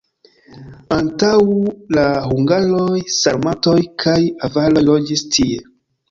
Antaŭ la hungaroj sarmatoj kaj avaroj loĝis tie.